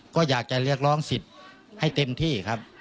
ก็อยากจะเรียกร้องสิทธิ์ให้เต็มที่ครับ